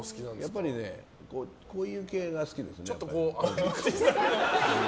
やっぱりこういう系が好きですね。